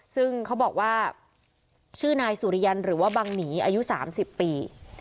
ซึ่งเขาบอกว่าชื่อนายสุริยันหรือว่าบังหนีอายุ๓๐ปี